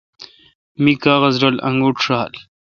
می قاغذرل انگوٹ ݭال۔